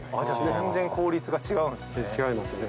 全然効率が違うんですね。